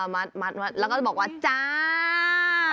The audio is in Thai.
มัดแล้วก็บอกว่าจ้า